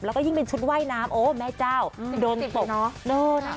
แล้วก็ยิ่งเป็นชุดว่ายน้ำโอ้แม่เจ้าโดนตบเนอะ